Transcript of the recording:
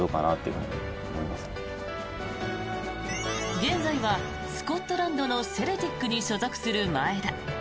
現在はスコットランドのセルティックに所属する前田。